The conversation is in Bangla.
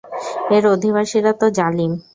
এর অধিবাসীরা তো জালিম।